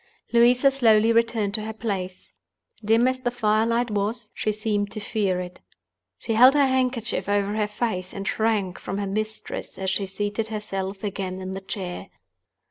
Louisa slowly returned to her place. Dim as the fire light was, she seemed to fear it. She held her handkerchief over her face, and shrank from her mistress as she seated herself again in the chair.